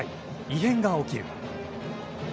異変が起きる。